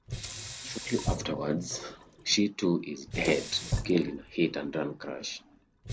Shortly afterwards, she too is dead, killed in a hit-and-run crash.